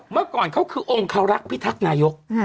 เมื่อก่อนเขาคือองคารักษ์พิทักษ์นายก